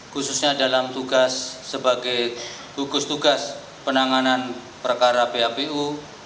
khususnya dalam tugas sebagai gugus tugas penanganan perkara phpu